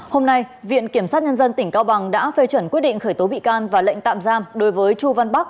hôm nay viện kiểm sát nhân dân tỉnh cao bằng đã phê chuẩn quyết định khởi tố bị can và lệnh tạm giam đối với chu văn bắc